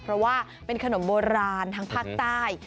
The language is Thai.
เพราะว่าเป็นขนมโบราณทางภาคใต้